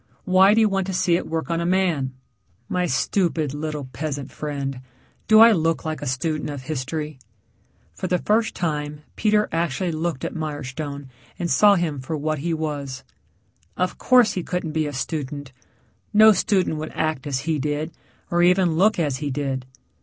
Why do you want to see it work on a man?" "My stupid, little peasant friend, do I look like a student of history?" For the first time Peter actually looked at Mirestone and saw him for what he was. Of course, he couldn't be a student. No student would act as he did, or even look as he did.